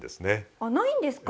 あないんですか？